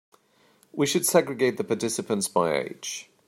We should segregate the participants by age.